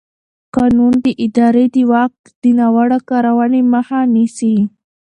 قانون د ادارې د واک د ناوړه کارونې مخه نیسي.